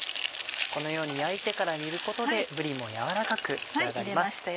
このように焼いてから煮ることでぶりも軟らかく仕上がります。